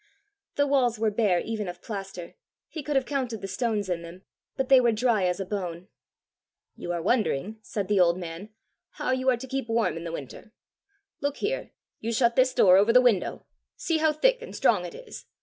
The walls were bare even of plaster; he could have counted the stones in them; but they were dry as a bone. "You are wondering," said the old man, "how you are to keep warm in the winter! Look here: you shut this door over the window! See how thick and strong it is!